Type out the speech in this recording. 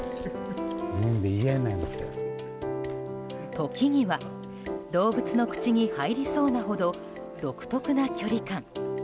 時には動物の口に入りそうなほど独特な距離感。